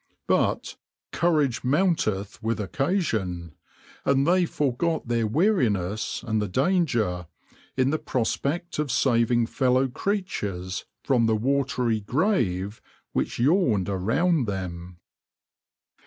But "courage mounteth with occasion," and they forgot their weariness and the danger in the prospect of saving fellow creatures from the watery grave which yawned around them.